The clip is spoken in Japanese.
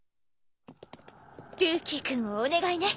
ルーキー君をお願いね。